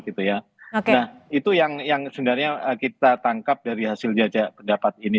nah itu yang sebenarnya kita tangkap dari hasil jajak pendapat ini